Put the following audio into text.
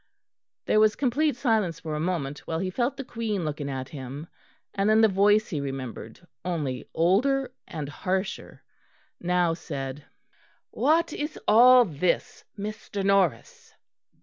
There was complete silence for a moment, while he felt the Queen looking at him, and then the voice he remembered, only older and harsher, now said: "What is all this, Mr. Norris?"